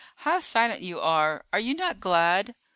How silent you are; are you not glad?"